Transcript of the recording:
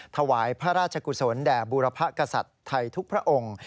ถวายพระราชกุศลแด่บูรพกษัตริย์ไทยทุกพระองค์